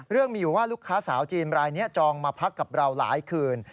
เรื่องมีอยู่ว่าลูกค้าสาวจีนรายนี้จองมาพักกับเราหลายคืน